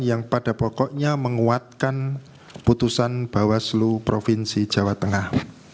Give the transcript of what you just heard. yang pada pokoknya menguatkan putusan bawaslu provinsi jawa tengah